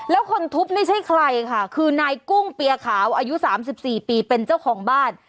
แล้วคนทุบไม่ใช่ใครค่ะคือนายกุ้งเปียขาวอายุ๓๔ปีเป็นเจ้าของบ้าน